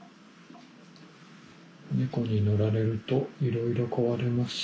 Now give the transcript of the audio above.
猫に乗られるといろいろ壊れます。